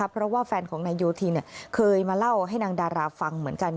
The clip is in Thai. เพราะว่าแฟนของนายโยธินเคยมาเล่าให้นางดาราฟังเหมือนกัน